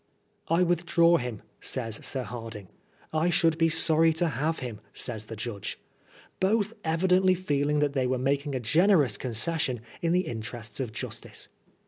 " I withdraw him," says Sir Hardinge ;" I should be sorry to have him," says the Judge ; both evidently feeling that they were making a generous concession in the interests of justice.